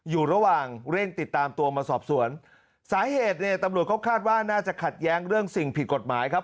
อยู่ระหว่างเร่งติดตามตัวมาสอบสวนสาเหตุเนี่ยตำรวจเขาคาดว่าน่าจะขัดแย้งเรื่องสิ่งผิดกฎหมายครับ